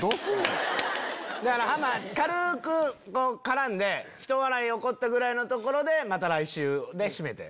ハマ軽く絡んでひと笑い起こったぐらいのところでまた来週！で締めて。